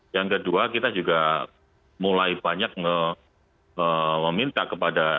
yang kedua kita juga mulai banyak meminta kepada